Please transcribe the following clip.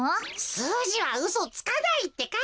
すうじはうそつかないってか。